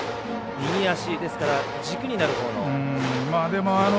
右足ですから軸になるほうの。